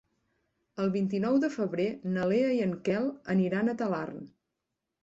El vint-i-nou de febrer na Lea i en Quel aniran a Talarn.